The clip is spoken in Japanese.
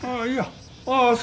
いやああ